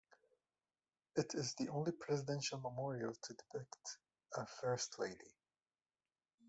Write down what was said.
It is the only presidential memorial to depict a First Lady.